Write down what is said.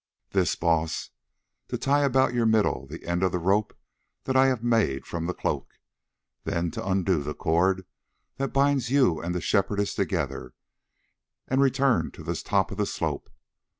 "This, Baas: to tie about your middle the end of the rope that I have made from the cloak, then to undo the cord that binds you and the Shepherdess together, and return to the top of the slope.